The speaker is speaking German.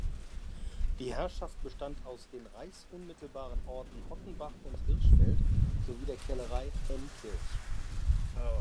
Die Herrschaft bestand aus den reichsunmittelbaren Orten Hottenbach und Hirschfeld sowie der Kellerei Enkirch.